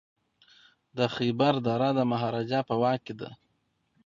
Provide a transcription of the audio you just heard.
د خیبر دره د مهاراجا په واک کي ده.